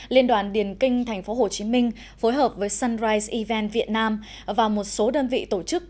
liên đoàn điền kinh tp hcm phối hợp với sunrice even việt nam và một số đơn vị tổ chức